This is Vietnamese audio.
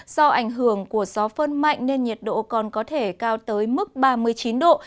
do ảnh hưởng của gió phơn mạnh nên nhiệt độ còn có thể cao tới mức ba mươi chín độ